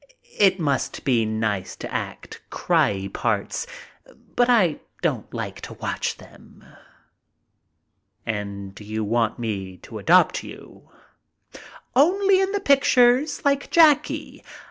It must be nice to act 'cryie' parts, but I don't like to watch them." "And you want me to adopt you?" "Only in the pictures, like Jackie.